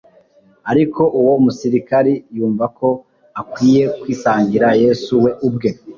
ariko uwo musirikari yumva ko akwinye kwisangira Yesu we ubwe,